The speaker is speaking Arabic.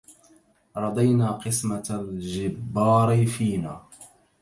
رضينا قسمة الجبار فينا